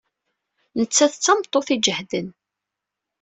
Nettat d tameṭṭut iǧehden.